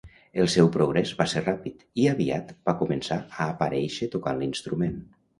El seu progrés va ser ràpid i aviat va començar a aparèixer tocant l'instrument.